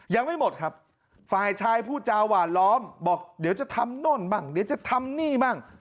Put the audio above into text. ยังไม่หมดครับฝ่ายชายพูดจาหวานล้อมบอกเดี๋ยวจะทำโน่นบ้างเดี๋ยวจะทำนี่บ้าง